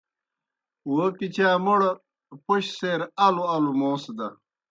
وو پِچا موْڑ پوْش سیر الوْ الوْ موس دہ۔